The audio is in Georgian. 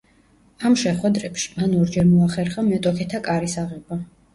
ამ შეხვედრებში მან ორჯერ მოახერხა მეტოქეთა კარის აღება.